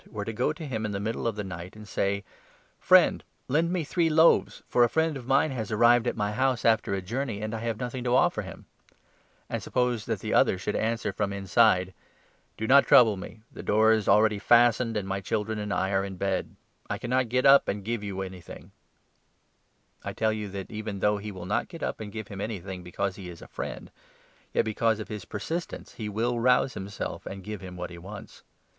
were to go to him in the middle of the night and say ' Friend, lend me three loaves, for a friend of mine has 6 arrived at my house after a journey, and I have nothing to offer him '; and suppose that the other should answer from 7 inside ' Do not trouble me ; the door is already fastened, and my children and I are in bed ; I cannot get up and give you anything' ; I tell you that, even though he will not get up and 8 give him anything because he is a friend, yet because of his persistence he will rouse himself and give him what he wants.